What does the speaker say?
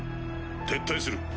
撤退する。